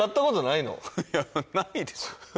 いやないですよ